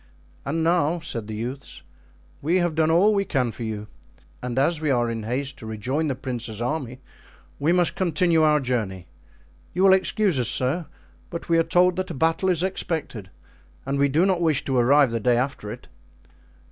"And now," said the youths, "we have done all we can for you; and as we are in haste to rejoin the prince's army we must continue our journey. You will excuse us, sir, but we are told that a battle is expected and we do not wish to arrive the day after it."